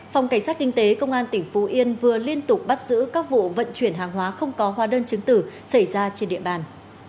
phòng cảnh sát kinh tế công an tỉnh phú yên vừa liên tục bắt giữ các vụ vận chuyển hàng hóa không có hóa đơn chứng tử xảy ra trên địa bàn